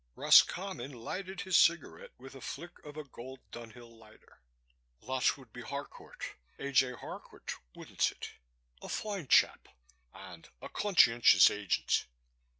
Roscommon lighted his cigarette with a flick of a gold Dunhill lighter. "That would be Harcourt A. J. Harcourt wouldn't it? A fine chap and a conscientious agent.